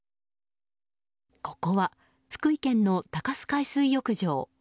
ここは福井県の鷹巣海水浴場。